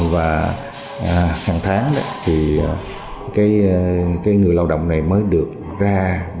và hàng tháng thì người lao động này mới được ra